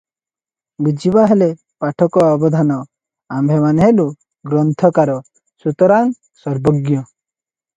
ବୁଝିବା ହେଲେ ପାଠକ ଅବଧାନ! ଆମ୍ଭେମାନେ ହେଲୁ ଗ୍ରନ୍ଥକାର, ସୁତରାଂ ସର୍ବଜ୍ଞ ।